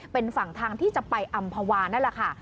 เป็นฝั่งทางที่จะไปอำภาวานั่นแหละค่ะ